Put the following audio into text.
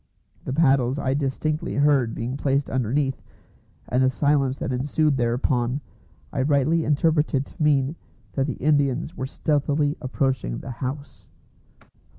The paddles I distinctly heard being placed underneath, and the silence that ensued thereupon I rightly interpreted to mean that the Indians were stealthily approaching the house.